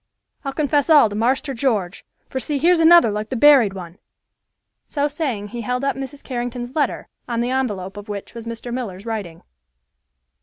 I'll confess all to Marster George, for see, here's another like the buried one." So saying, he held up Mrs. Carrington's letter, on the envelope of which was Mr. Miller's writing.